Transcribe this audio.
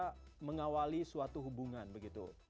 kita mengawali suatu hubungan begitu